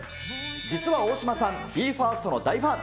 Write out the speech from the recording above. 実は大島さん、ＢＥ：ＦＩＲＳＴの大ファン。